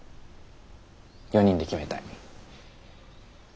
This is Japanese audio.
４人で決めたい。